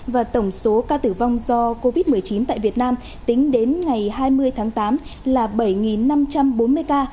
và tổng số ca tử vong do covid một mươi chín tại việt nam tính đến ngày hai mươi tháng tám là bảy năm trăm bốn mươi ca